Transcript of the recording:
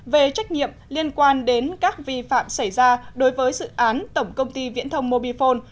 về trách nhiệm liên quan đến các vi phạm xảy ra đối với dự án tổng công ty viễn thông mobifone